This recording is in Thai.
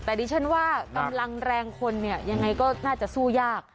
แต่ดิฉันว่ากำลังแรงคนเนี่ยยังไงก็น่าจะสู้ยาก